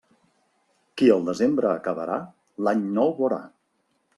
Qui el desembre acabarà, l'Any Nou vorà.